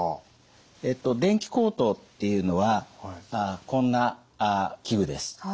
電気喉頭っていうのはこんな器具です。